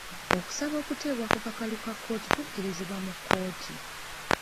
Okusaba okuteebwa ku kakalu ka kkooti kukirizibwa mu kkooti.